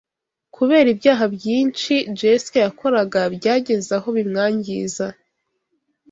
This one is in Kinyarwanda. Kubera ibyaha byinshi Jessica yakoraga byagezaho bimwangiza